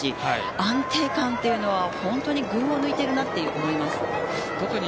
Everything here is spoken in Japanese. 安定感というのは群を抜いているなと思います。